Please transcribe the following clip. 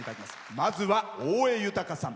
まずは大江裕さん。